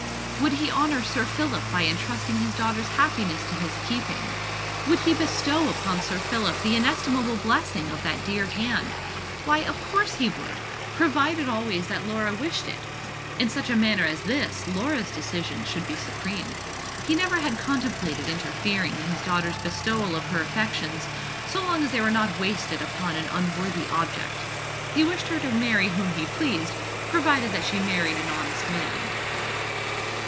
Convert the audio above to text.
"Would he honour Sir Philip by entrusting his daughter's happiness to his keeping? would he bestow upon Sir Philip the inestimable blessing of that dear hand? Why, of course he would, provided always that Laura wished it. In such a matter as this Laura's decision should be supreme. He never had contemplated interfering in his daughter's bestowal of her affections: so long as they were not wasted upon an unworthy object. He wished her to marry whom she pleased; provided that she married an honest man."